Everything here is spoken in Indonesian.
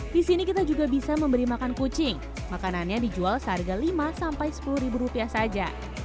di sini kita juga bisa memberi makan kucing makanannya dijual seharga lima sampai sepuluh ribu rupiah saja